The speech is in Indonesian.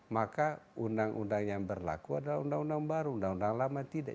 maka undang undang yang berlaku adalah undang undang baru undang undang lama tidak